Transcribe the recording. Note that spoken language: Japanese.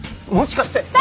もしかして。